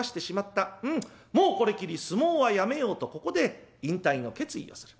うんもうこれきり相撲はやめようとここで引退の決意をする。